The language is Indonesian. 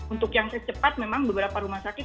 untuk yang secepat memang beberapa rumah sakit